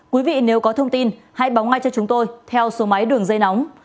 quý vị nếu có thông tin hãy báo ngay cho chúng tôi theo số máy đường dây nóng